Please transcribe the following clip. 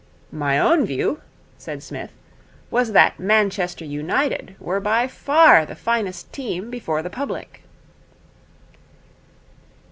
'My own view,' said Psmith, 'was that Manchester United were by far the finest team before the public.'